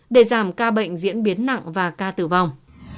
để giảm ca bệnh diễn biến nặng và ca tử vong